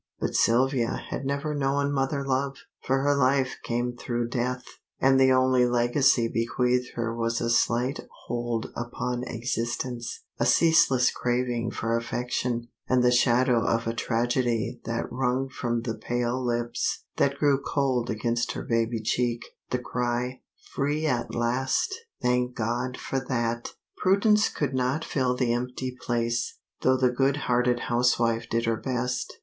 But Sylvia had never known mother love, for her life came through death; and the only legacy bequeathed her was a slight hold upon existence, a ceaseless craving for affection, and the shadow of a tragedy that wrung from the pale lips, that grew cold against her baby cheek, the cry, "Free at last, thank God for that!" Prudence could not fill the empty place, though the good hearted housewife did her best.